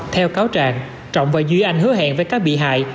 theo cáo trạng trọng và duy anh hứa hẹn với các bị hại